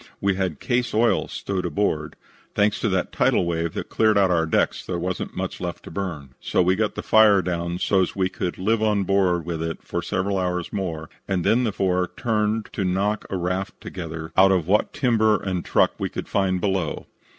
We had case oil stowed forward. Thanks to that tidal wave that cleared our decks there wasn't much left to burn, so we got the fire down so's we could live on board with it for several hours more and then the four turned to to knock a raft together out of what timber and truck we could find below.